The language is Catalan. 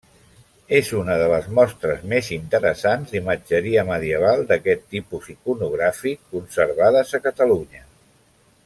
És una de les mostres més interessants d'imatgeria medieval d'aquest tipus iconogràfic conservades a Catalunya.